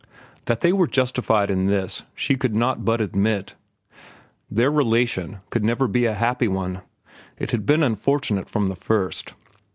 That they were justified in this she could not but admit. Their relation could never be a happy one. It had been unfortunate from the first.